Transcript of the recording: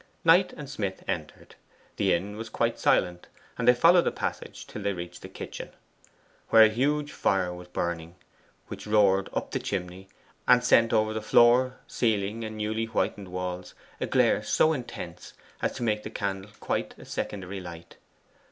Knight and Smith entered. The inn was quite silent, and they followed the passage till they reached the kitchen, where a huge fire was burning, which roared up the chimney, and sent over the floor, ceiling, and newly whitened walls a glare so intense as to make the candle quite a secondary light.